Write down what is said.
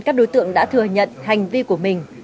các đối tượng đã thừa nhận hành vi của mình